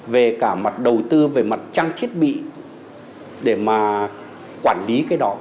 về cả mặt đầu tư về mặt trăng thiết bị để mà quản lý cái đó